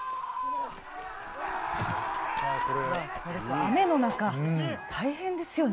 雨の中、大変ですよね。